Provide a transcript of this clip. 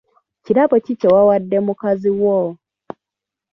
Kirabo ki kye wawadde mukazi wo?